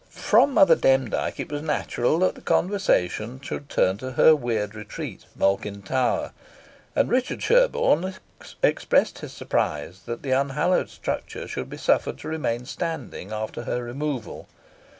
From Mother Demdike it was natural that the conversation should turn to her weird retreat, Malkin Tower; and Richard Sherborne expressed his surprise that the unhallowed structure should be suffered to remain standing after her removal.